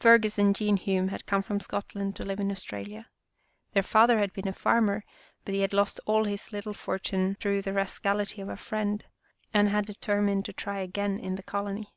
Fergus and Jean Hume had come from Scot land to live in Australia. Their father had been a farmer, but he had lost all his little fortune through the rascality of a friend, and had deter mined to try again in the colony.